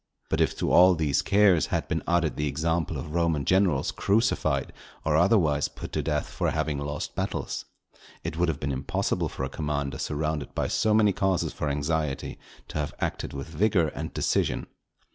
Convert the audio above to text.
But if to all these cares, had been added the example of Roman generals crucified or otherwise put to death for having lost battles, it would have been impossible for a commander surrounded by so many causes for anxiety to have acted with vigour and decision.